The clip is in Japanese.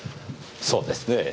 そうですねぇ。